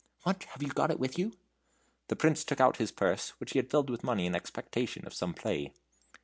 "What! have you got it with you?" The Prince took out his purse, which he had filled with money in expectation of some play.